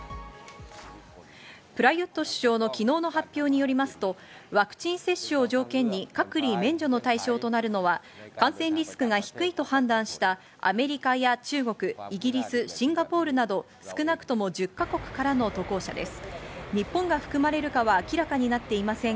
プラユット首相の昨日の発表によりますとワクチン接種を条件に隔離免除の対象となるのは感染リスクが低いと判断したアメリカや中国、イギリス、シンガポールなど少なくとも１０か国からの渡航者です。